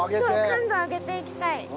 そう感度を上げていきたい。